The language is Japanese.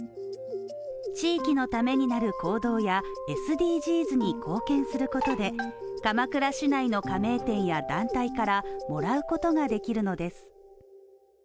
地域のためになる行動やＳＤＧｓに貢献することで鎌倉市内の加盟店や団体からもらうことができるのです。